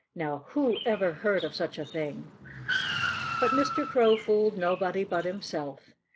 Now, who ever heard of such a thing?" But Mr. Crow fooled nobody but himself.